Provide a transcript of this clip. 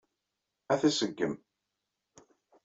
Ad t-iṣeggem.